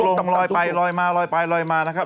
ลอยไปลอยมาลอยไปลอยมานะครับ